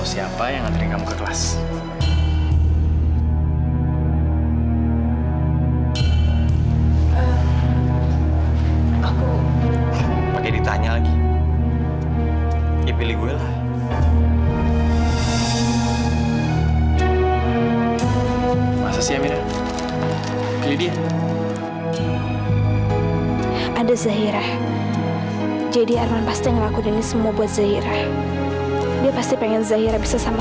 sampai jumpa di video selanjutnya